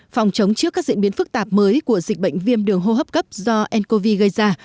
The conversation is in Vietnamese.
phòng chống trước các diễn biến phức tạp mới của dịch bệnh viêm đường hô hấp cấp do ncov gây ra